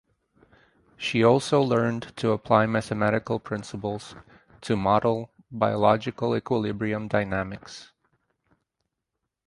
She also learned to apply mathematical principles to model biological equilibrium dynamics.